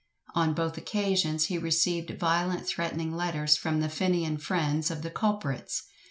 On both occasions he received violent threatening letters from the fenian friends of the culprits.